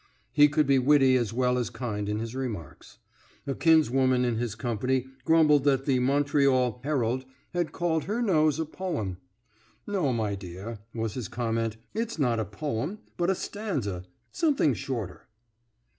He could be witty as well as kind in his remarks. A kinswoman in his company grumbled that the Montreal Herald had called her nose a poem. "No, my dear," was his comment, "it's not a poem, but a stanza, something shorter."